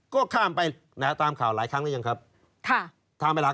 ก็ข้ามไปตามข่าวหลายครั้งแล้วหรือยังครับ